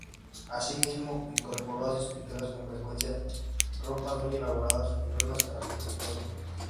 Asimismo, incorporó a sus pinturas con frecuencia ropas muy elaboradas y ruinas arquitectónicas.